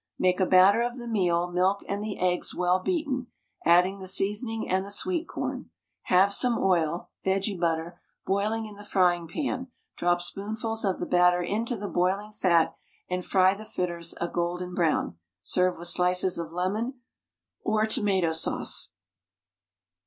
Make a batter of the meal, milk, and the eggs well beaten, adding the seasoning and the sweet corn. Have some oil (vege butter) boiling in the frying pan, drop spoonfuls of the batter into the boiling fat, and fry the fritters a golden brown. Serve with slices of lemon or tomato sauce.